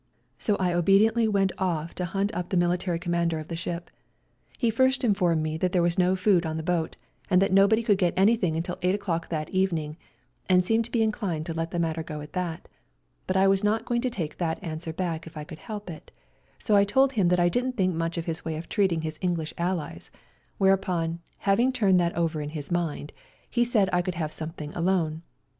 So I obediently went off to hunt up the Military Commander of the ship. He first informed me that there was no food on the boat, and that nobody could get anything until 8 o'clock that evening, and seemed to be inclined to let the matter go at that, but I was not going to take that answer back if I could help it ; so told him that I didn't think much of his way of treating his English Allies, whereupon, having turned that over in his mind, he said I could have something alone.